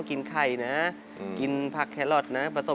ในฐานะคนเป็นพ่อ